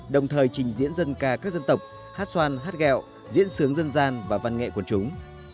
đồng thời trình diễn dân ca các dân tộc hát xoan hát gẹo diễn sướng dân gian và văn nghệ quần chúng